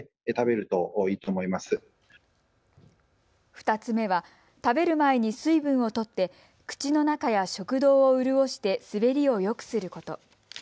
２つ目は食べる前に水分をとって口の中や食道を潤して滑りをよくすること。